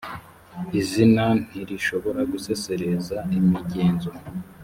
izina ntirishobora gusesereza imigenzo